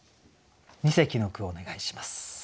二席の句をお願いします。